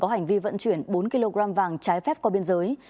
có hành vi vận chuyển bốn kg vàng trái phép qua biên giới